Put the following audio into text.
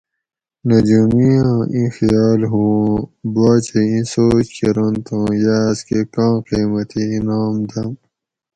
نجومی آں ایں خیال ہو اوُن باچہ ایں سوچ کیرنت اوُں یہ آس کۤہ ۤکاں قیمتی انعام دم